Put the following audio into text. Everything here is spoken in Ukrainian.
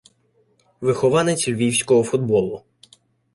Вихованець львівського футболу.